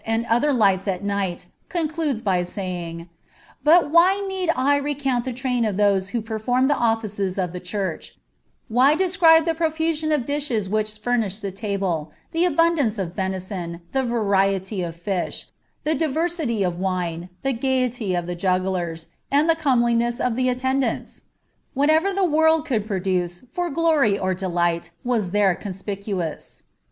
and otbir lights at night, concludes by saying :—" But why need I recount tbt train of those who performed the olbces of the church ; why de«ei3* the profusion of dishes which fumiEhed the table, the abundancsof venison, the variety of fish, the diversity of wine, die gaiety of li* jugglers, the comeliness of the alieudaiils ? ^Vhateve^ the world eodi produce for glory or delight was there conspicuous."